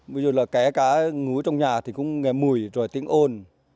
ví dụ là kể cả ngủ trong nhà thì cũng nghe mùi rồi tiếng ôn